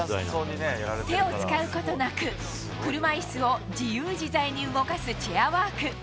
手を使うことなく、車いすを自由自在に動かすチェアワーク。